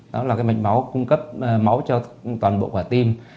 đó là cái mạch máu cung cấp máu cho toàn bộ quả tim